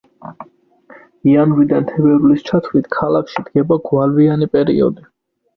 იანვრიდან თებერვლის ჩათვლით ქალაქში დგება გვალვიანი პერიოდი.